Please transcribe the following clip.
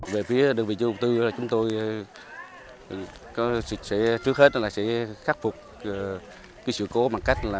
về phía đường vị trung tư chúng tôi trước hết sẽ khắc phục sự cố bằng cách